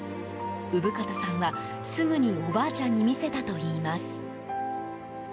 産形さんはすぐにおばあちゃんに見せたといいます。